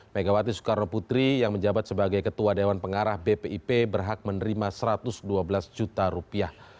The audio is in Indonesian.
megawati soekarno putri yang menjabat sebagai ketua dewan pengarah bpip berhak menerima satu ratus dua belas juta rupiah